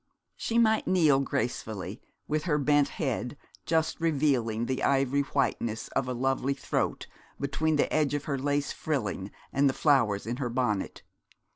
She might kneel gracefully, with her bent head, just revealing the ivory whiteness of a lovely throat, between the edge of her lace frilling and the flowers in her bonnet.